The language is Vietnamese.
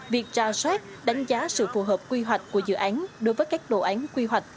việc ra soát đánh giá sự phù hợp quy hoạch của dự án đối với các đồ án quy hoạch